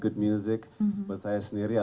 good music buat saya sendiri